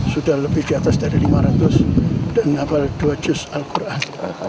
sudah lebih di atas dari lima ratus dan dua juz al quran